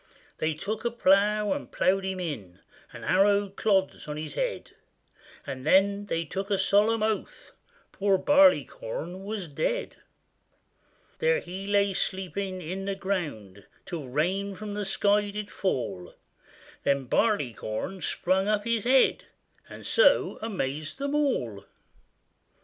They took a plough and ploughed him in, And harrowed clods on his head; And then they took a solemn oath, Poor Barleycorn was dead. There he lay sleeping in the ground, Till rain from the sky did fall: Then Barleycorn sprung up his head, And so amazed them all.